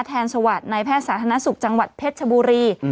สวัสดิ์ในแพทย์สาธารณสุขจังหวัดเพชรชบุรี